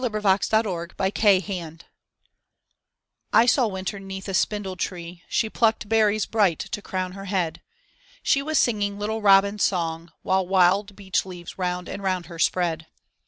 THE SAD YEARS A FANTASY I SAW Winter 'neath a spindle tree, She plucked berries bright to crown her head. She was singing little robin's song While wild beech leaves round and round her spread.